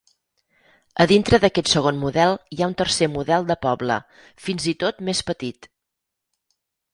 A dintre d"aquest segon model hi ha un tercer model de poble, fins-i-tot més petit.